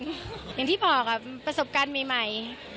อย่างที่บอกประสบการณ์ใหม่